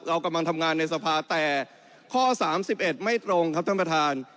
เรากำลังทำงานในสภาแต่ข้อ๓๑ไม่ตรงครับท่านประธาน